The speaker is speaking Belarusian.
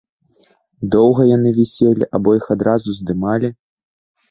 Доўга яны віселі або іх адразу здымалі?